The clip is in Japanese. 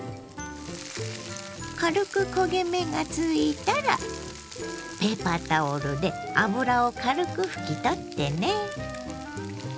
軽く焦げ目がついたらペーパータオルで油を軽く拭き取ってね。